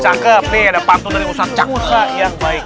cakep nih ada pantun dari usaha usaha yang baik